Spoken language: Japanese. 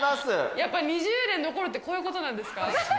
やっぱり２０年残るってこういうことなんですか。